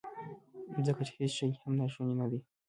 ځکه چې هیڅ شی هم ناشونی ندی.